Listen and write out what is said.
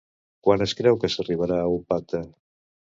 Quan es creu que s'arribarà a un pacte?